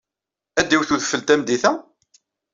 Ad d-iwet wedfel tameddit-a?